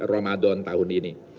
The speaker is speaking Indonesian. ramadan tahun ini